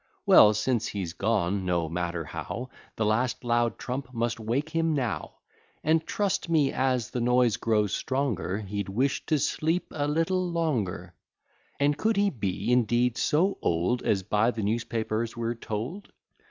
Well, since he's gone, no matter how, The last loud trump must wake him now; And, trust me, as the noise grows stronger, He'd wish to sleep a little longer. And could he be indeed so old As by the newspapers we're told?